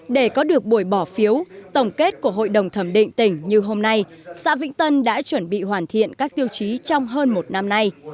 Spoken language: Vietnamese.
để có được buổi bỏ phiếu tổng kết của hội đồng thẩm định tỉnh như hôm nay xã vĩnh tân đã chuẩn bị hoàn thiện các tiêu chí trong hơn một năm nay